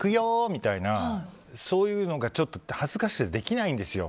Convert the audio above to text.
みたいなのが恥ずかしくてできないんですよ